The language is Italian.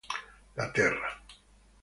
La terra